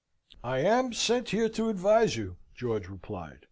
"I am sent here to advise you," George replied.